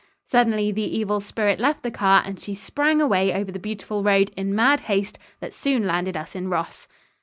Suddenly the evil spirit left the car and she sprang away over the beautiful road in mad haste that soon landed us in Ross.